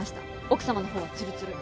奥様のほうはつるつる。